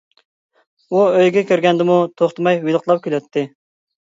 ئۇ ئۆيىگە كىرگەندىمۇ توختىماي ۋىلىقلاپ كۈلەتتى.